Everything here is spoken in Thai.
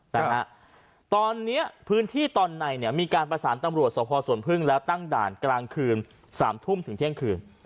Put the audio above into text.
นะฮะตอนเนี้ยพื้นที่ตอนในเนี่ยมีการประสานตำรวจสภสวนพึ่งแล้วตั้งด่านกลางคืนสามทุ่มถึงเที่ยงคืน